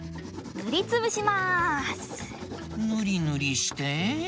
ぬりぬりして？